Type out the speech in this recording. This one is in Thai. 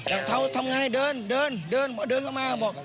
เทาทำไงเดินเดินเดินเดินเข้ามาบอก